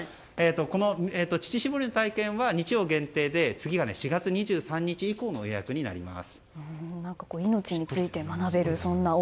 この乳搾りの体験は日曜限定で次は４月２３日以降の予約になります。